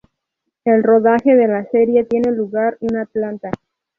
El rodaje de la serie tiene lugar en Atlanta.